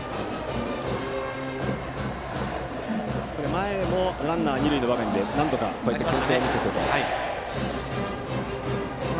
前もランナー、二塁の場面で何度かけん制を見せました、上田。